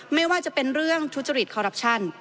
ไม่ว่าจะเป็นเรื่องทุจริตคอรัปชั่น